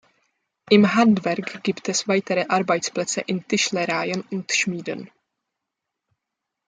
Im Handwerk gibt es weitere Arbeitsplätze in Tischlereien und Schmieden.